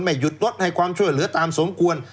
หยุดรถให้ความช่วยเหลือตามสมควร